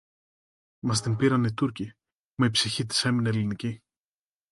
Μας την πήραν οι Τούρκοι, μα η ψυχή της έμεινε ελληνική